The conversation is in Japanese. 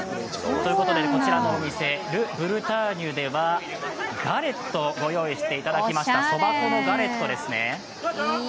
こちらのお店、ル・ブルターニュではガレットをご用意いただきました、そば粉のガレットですね。